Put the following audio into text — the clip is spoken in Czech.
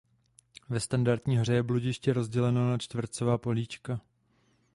Ve standardní hře je bludiště rozděleno na čtvercová políčka.